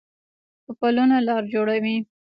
په پلونو لار جوړوي